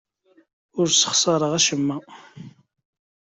Ur ssexṣareɣ acemma.